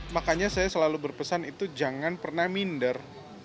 makanya saya selalu berpesan itu jangan pernah minder